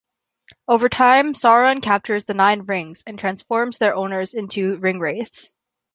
Over time, Sauron captures the Nine Rings and transforms their owners into the Ringwraiths.